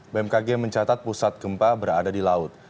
bmkg mencatat pusat gempa berada di laut